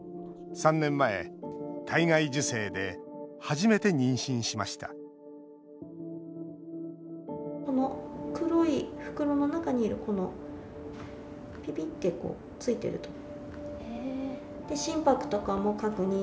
３年前、体外受精で初めて妊娠しましたこの黒い袋の中にいるこのピピッてついているところ。